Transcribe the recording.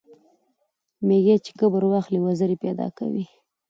ـ ميږى چې کبر واخلي وزرې پېدا کوي.